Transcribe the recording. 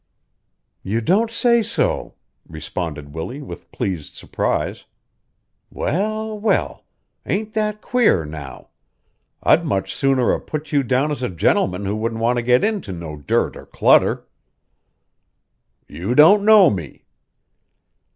"You don't say so!" responded Willie, with pleased surprise. "Well, well! Ain't that queer now? I'd much sooner 'a' put you down as a gentleman who wouldn't want to get into no dirt or clutter." "You don't know me."